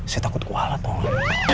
saya takut kualat dong